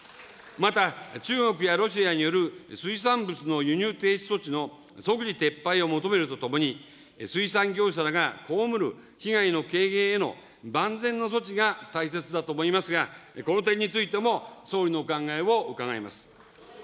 また、中国やロシアによる水産物の輸入停止措置の即時撤廃を求めるとともに、水産業者らが被る被害の軽減への万全の措置が大切だと思いますが、この点についても総理のお考えを伺います。